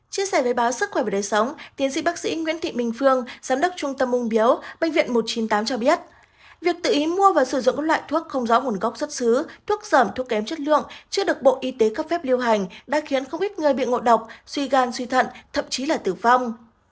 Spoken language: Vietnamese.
chia sẻ với báo sức khỏe và đời sống tiến sĩ bác sĩ nguyễn thị minh phương giám đốc trung tâm ung biếu bệnh viện một trăm chín mươi tám cho biết việc tự ý mua và sử dụng loại thuốc không rõ nguồn gốc xuất xứ thuốc giảm thuốc kém chất lượng chưa được bộ y tế cấp phép liêu hành đã khiến không ít người bị ngộ độc suy gan suy thận thậm chí là tử vong